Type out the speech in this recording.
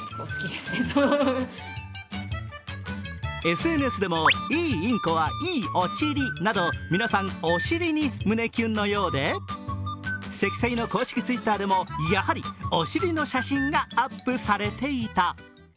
ＳＮＳでもいいインコはいいおちりなど、皆さん、お尻に胸キュンのようで、セキセイの公式Ｔｗｉｔｔｅｒでもやはりお尻の写真がアップされていた。